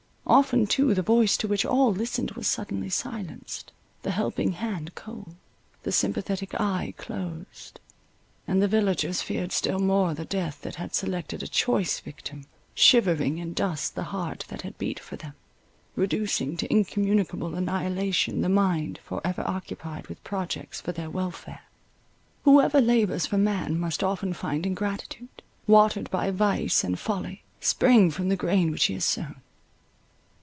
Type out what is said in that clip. Often too, the voice to which all listened was suddenly silenced, the helping hand cold, the sympathetic eye closed, and the villagers feared still more the death that had selected a choice victim, shivering in dust the heart that had beat for them, reducing to incommunicable annihilation the mind for ever occupied with projects for their welfare. Whoever labours for man must often find ingratitude, watered by vice and folly, spring from the grain which he has sown.